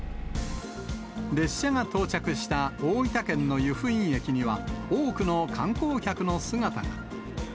列車が到着した大分県の由布院駅には、多くの観光客の姿が。